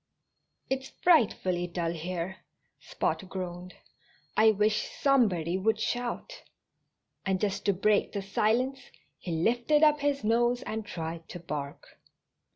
"It's frightfully dull here," Spot groaned. "I wish somebody would shout." And just to break the silence he lifted up his nose and tried to bark.